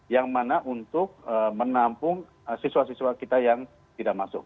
yang mana untuk menampung siswa siswa kita yang tidak masuk